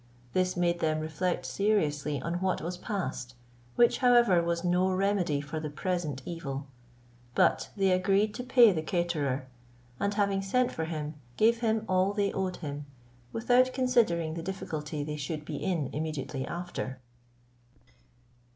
This made them reflect seriously on what was passed, which, however, was no remedy for the present evil. But they agreed to pay the caterer; and having sent for him, gave him all they owed him, without considering the difficulty they should be in immediately after.